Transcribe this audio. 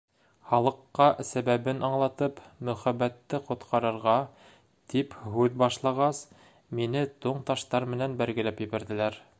Халыҡҡа сәбәбен аңлатып, Мөхәббәтте ҡотҡарырға, тип һүҙ башлағас, мине туң таштар менән бәргеләп ебәрҙеләр.